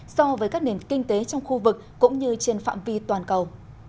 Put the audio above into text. so với các nền kinh tế trong khu vực cũng như trên phạm vi toàn cầu